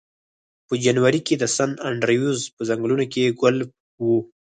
په جنوري کې د سن انډریوز په ځنګلونو کې ګلف و